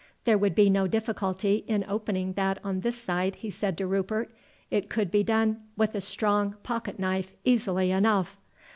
"There would be no difficulty in opening that on this side," he said to Rupert; "it could be done with a strong pocket knife easily enough."